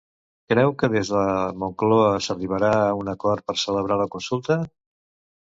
Creu que des de Moncloa s'arribarà a un acord per celebrar la consulta?